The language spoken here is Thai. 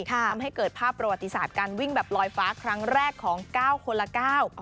ทำให้เกิดภาพประวัติศาสตร์การวิ่งแบบลอยฟ้าครั้งแรกของเก้าคนละเก้า